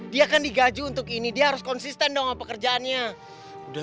dia kan digaji untuk ini dia harus konsisten dong sama pekerjaannya